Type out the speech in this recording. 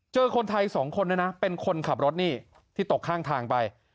เจอคนไทย๒คนเป็นคนขับรถนี่ที่ตกข้างทางไป